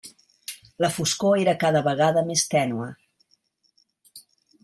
La foscor era cada vegada més tènue.